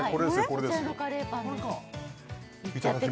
そちらのカレーパンです